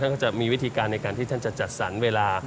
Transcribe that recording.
ก็จะมีวิธีการในการที่ท่านจะจัดสรรเวลา